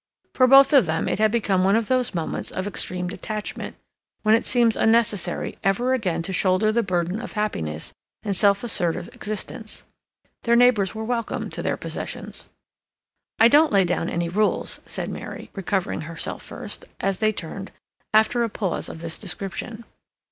For both of them it had become one of those moments of extreme detachment, when it seems unnecessary ever again to shoulder the burden of happiness and self assertive existence. Their neighbors were welcome to their possessions. "I don't lay down any rules,"' said Mary, recovering herself first, as they turned after a long pause of this description.